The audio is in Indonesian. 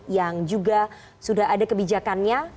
yang juga sudah ada kebijakannya